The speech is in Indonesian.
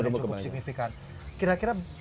yang cukup signifikan kira kira